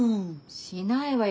しないわよ。